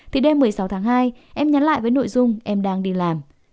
thì đêm một mươi sáu tháng hai em nhắn lại với nội dung em đang đi làm